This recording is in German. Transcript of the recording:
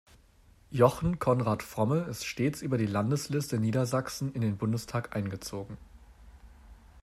Jochen-Konrad Fromme ist stets über die Landesliste Niedersachsen in den Bundestag eingezogen.